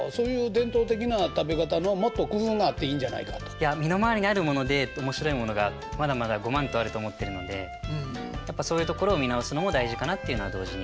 いや身の回りにあるもので面白いものがまだまだごまんとあると思ってるのでやっぱそういうところを見直すのも大事かなっていうのは同時に。